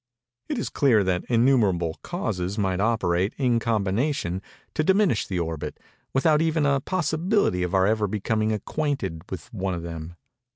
It is clear that innumerable causes might operate, in combination, to diminish the orbit, without even a possibility of our ever becoming acquainted with one of them.